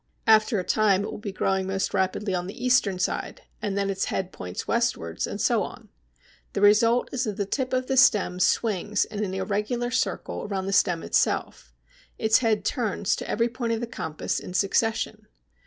After a time it will be growing most rapidly on the eastern side and then its head points westwards, and so on. The result is that the tip of the stem swings in an irregular circle round the stem itself. Its head turns to every point of the compass in succession.